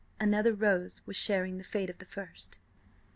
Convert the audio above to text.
Another rose was sharing the fate of the first.